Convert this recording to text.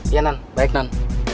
iya nan baik nan